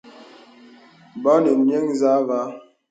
Bɔ nə̀ nyə̄ nzâ və̀.